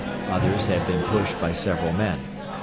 Others had been pushed by several men.